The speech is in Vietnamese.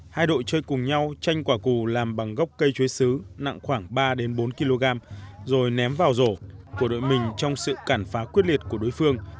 hai đội chơi cùng nhau tranh quả cù làm bằng gốc cây chuối xứ nặng khoảng ba bốn kg rồi ném vào rổ của đội mình trong sự cản phá quyết liệt của đối phương